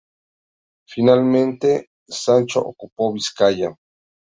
Finalmente Sancho ocupó Vizcaya.